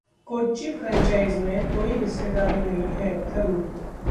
Kochi franchise में कोई हिस्सेदारी नहीं है: थरूर